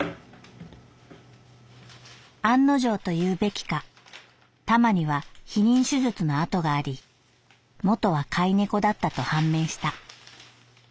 「案の定というべきかタマには避妊手術の痕があり元は飼い猫だったと判明した」。